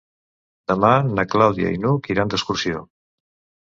Demà na Clàudia i n'Hug iran d'excursió.